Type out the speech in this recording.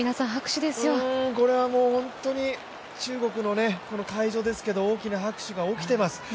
これは中国の会場ですけど、大きな拍手が起きています。